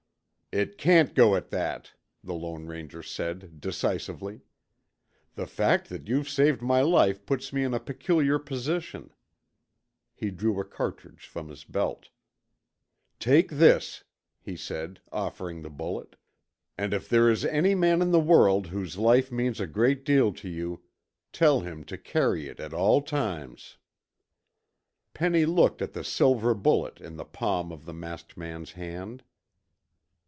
"It can't go at that," the Lone Ranger said decisively. "The fact that you've saved my life puts me in a peculiar position." He drew a cartridge from his belt. "Take this," he said offering the bullet, "and if there is any man in the world whose life means a great deal to you, tell him to carry it at all times." Penny looked at the silver bullet in the palm of the masked man's hand.